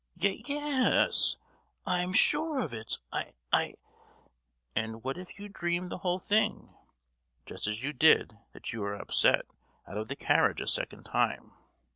"Ye—yes, I'm sure of it; I—I——." "And what if you dreamed the whole thing, just as you did that you were upset out of the carriage a second time?"